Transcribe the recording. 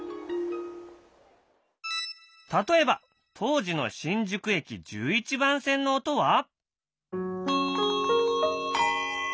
例えば当時の新宿駅１１番線の音は？